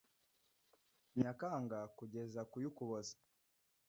Nyakanga kugeza ku y Ukuboza